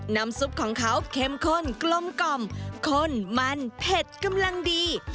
น้ำซุปของเขาเข้มข้นกลมกล่อมข้นมันเผ็ดกำลังดี